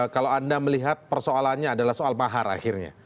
kalau anda melihat persoalannya adalah soal mahar akhirnya